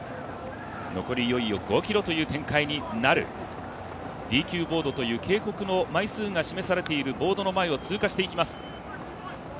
残りいよいよ５ｋｍという展開になるＤＱボードという警告の枚数が示されているボードの前を通過していきます。